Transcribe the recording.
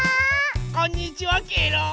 こんにちはケロー！